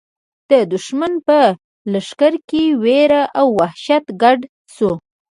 د دښمن په لښکر کې وېره او وحشت ګډ شو.